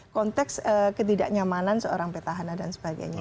konteks ketidaknyamanan seorang petahana dan sebagainya